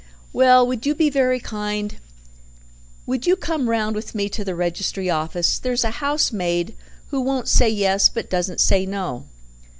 "Well, would you be very kind? Would you come round with me to the registry office? There's a housemaid who won't say yes but doesn't say no."